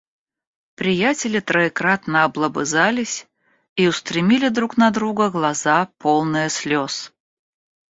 Приятели троекратно облобызались и устремили друг на друга глаза, полные слёз.